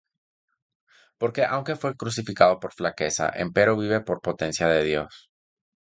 Porque aunque fué crucificado por flaqueza, empero vive por potencia de Dios.